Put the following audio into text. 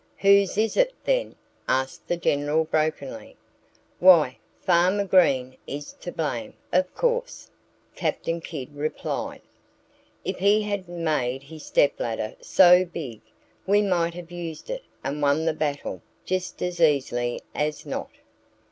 "Whose is it, then?" asked the General brokenly. "Why, Farmer Green is to blame, of course!" Captain Kidd replied. "If he hadn't made his stepladder so big we might have used it and won the battle just as easily as not."